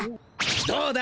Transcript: どうだ？